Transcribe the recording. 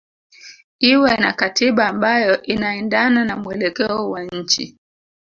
iwe na katiba ambayo inaendana na mwelekeo wa nchi